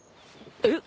えっ？